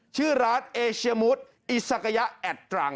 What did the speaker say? ชื่อร้านเอเชียมูธอิซากยะแอดตรัง